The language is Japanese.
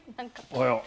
おはよう。